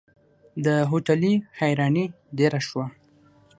د هوټلي حيراني ډېره شوه.